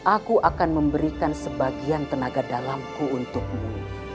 aku akan memberikan sebagian tenaga dalamku untukmu